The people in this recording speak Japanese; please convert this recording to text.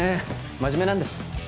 真面目なんです